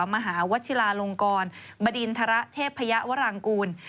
มหาวัชิลาลงกรบดินทรเทพยวรางกูล